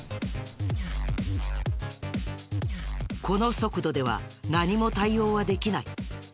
この速度では何も対応はできない。